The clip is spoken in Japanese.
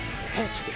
ちょっと。